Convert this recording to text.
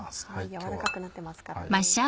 軟らかくなってますからね。